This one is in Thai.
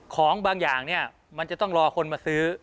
ของบางอย่างเนี่ยมันจะต้องรอคนมาซื้อ